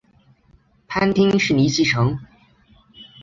藩厅是尼崎城。